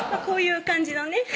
こういう感じのね